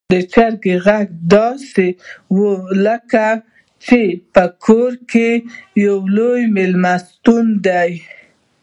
د چرګې غږ داسې و لکه چې په کور کې يو لوی میلمستون دی.